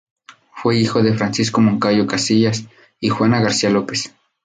Fue hijo de Francisco Moncayo Casillas y Juana García López.